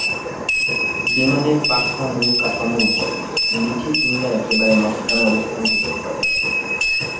বিমানের পাখা মূল কাঠামোর উপরে, নিচে কিংবা একেবারে মাঝখানে অবস্থান করতে পারে।